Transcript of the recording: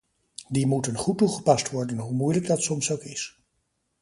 Die moeten goed toegepast worden, hoe moeilijk dat soms ook is.